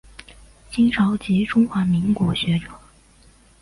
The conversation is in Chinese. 清朝及中华民国学者。